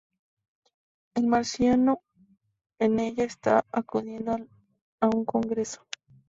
El marciano en ella está acudiendo a un congreso.